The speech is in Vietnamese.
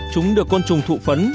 chúng được côn trùng thụ phấn